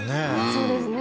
そうですね